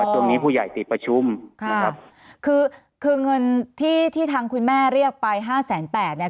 ตรงนี้ผู้ใหญ่ติดประชุมค่ะนะครับคือคือเงินที่ที่ทางคุณแม่เรียกไปห้าแสนแปดเนี่ย